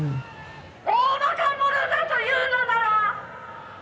「大馬鹿者だと言うのなら！」